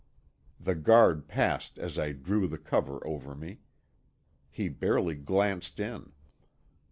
The guard passed as I drew the cover over me. He barely glanced in.